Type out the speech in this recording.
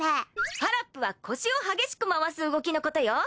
ファラップは腰を激しく回す動きのことよ。